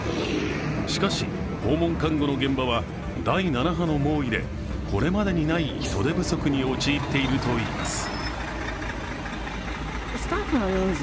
しかし、訪問看護の現場は第７波の猛威でこれまでにない人手不足に陥っているといいます。